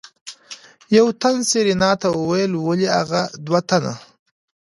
يو تن سېرېنا ته وويل ولې اغه دوه تنه.